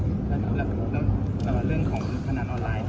กี่ท่านนะครับอันนี้ไม่รายละเอียดไม่ไม่รู้เลยนะครับอย่างเงี้ยว่าของกำลังมา